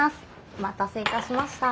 お待たせいたしました。